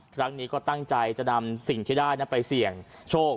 ครั้งนี้ก็ตั้งใจจะนำสิ่งที่ได้ไปเสี่ยงโชค